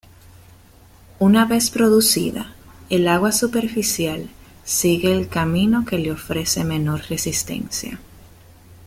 Una vez producida, el agua superficial sigue el camino que le ofrece menor resistencia.